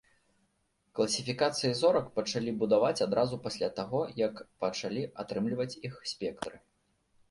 Класіфікацыі зорак пачалі будаваць адразу пасля таго, як пачалі атрымліваць іх спектры.